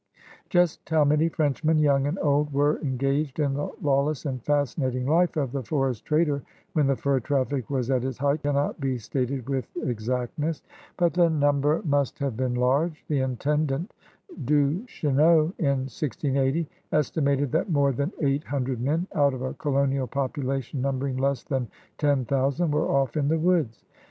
Just how many Frenchmen, young and old, were engaged in the lawless and fascinating life of the forest trader when the fur traffic was at its height cannot be stated with exactness. But the number THE COUREUBS DE BOIS 16S must have been large. The intendant Duches neau, in 1680, estimated that more than eight hundred men, out of a colonial population number ing less than ten thousand, were off in the woods.